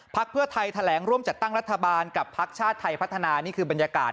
เพื่อไทยแถลงร่วมจัดตั้งรัฐบาลกับพักชาติไทยพัฒนานี่คือบรรยากาศ